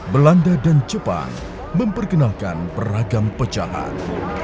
belanda dan jepang memperkenalkan beragam pecahan